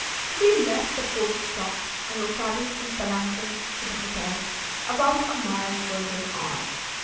We left the post dock, and were carried in palanquins to the hotel, about a mile further on.